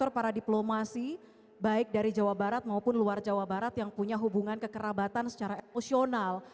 para diplomasi baik dari jawa barat maupun luar jawa barat yang punya hubungan kekerabatan secara emosional